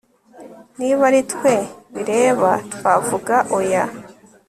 Niba ari twe bireba twavuga oya